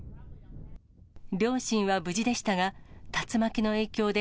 両親は無事でしたが、竜巻の影響で、